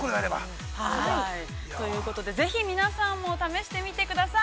◆ということでぜひ皆さんも試してみてください。